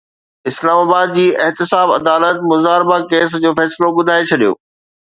اسلام آباد جي احتساب عدالت مضاربہ ڪيس جو فيصلو ٻڌائي ڇڏيو